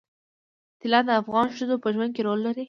طلا د افغان ښځو په ژوند کې رول لري.